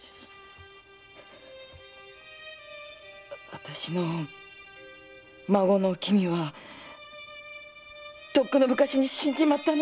わたしの孫のおきみはとっくの昔に死んじまったんです。